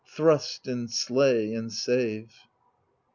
Thrust and slay and save